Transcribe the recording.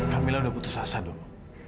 kamila udah putus asa dong